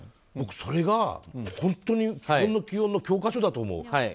それが本当に基本の基本の教科書だと思う。